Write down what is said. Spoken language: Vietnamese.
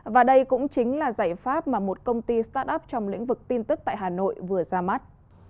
và đây cũng chính là giải pháp mà một công ty start up trong lĩnh vực tin tức tại hà nội vừa ra mắt